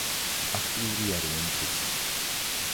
აქტიური არიან დღისით.